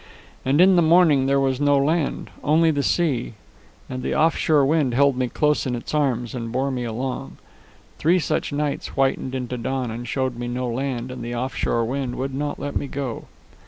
And in the morning there was no land, only the sea, and the off shore wind held me close in its arms and bore me along. Three such nights whitened into dawn and showed me no land, and the off shore wind would not let me go.